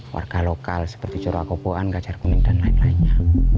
warga lokal seperti jorokopoan gajar kuning dan lain lainnya